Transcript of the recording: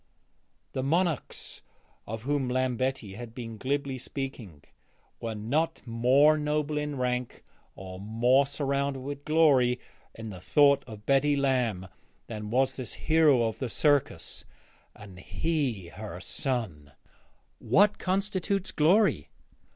The monarchs of whom Lambetti had been glibly speaking were not more noble in rank or more surrounded with glory in the thought of Betty Lamb than was this hero of the circus, and he her son! What constitutes glory?